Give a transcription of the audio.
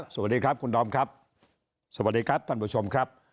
สวัสดีครับคุณดอมครับสวัสดีครับท่านผู้ชมครับ